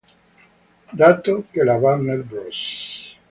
Dato che la Warner Bros.